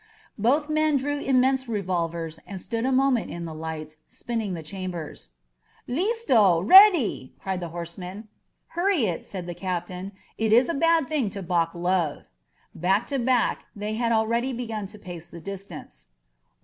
..." Both men drew immense revolvers and stood a mo* ment in the light, spinning the chambers. L%sto! Ready!" cried the horseman. "Hurry it," said the captain. "It is a bad thing to balk love." Back to back, they had already begun to pace the distance.